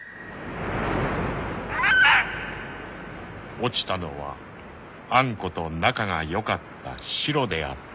［落ちたのはアンコと仲がよかったシロであった］